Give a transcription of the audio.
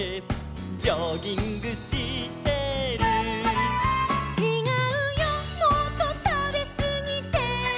「ジョギングしてる」「ちがうよもっとたべすぎて」